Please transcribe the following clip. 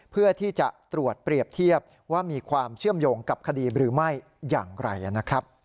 เพื่อที่จะตรวจเปรียบเทียบว่ามีความเชื่อมโยงกับคดีหรือไม่อย่างไรนะครับ